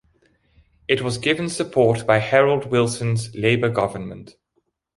It was given support by Harold Wilson's Labour government.